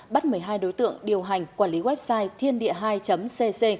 bắt một mươi hai đối tượng điều hành quản lý website thiên địa hai cc